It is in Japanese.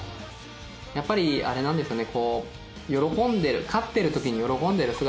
やっぱりあれなんですかね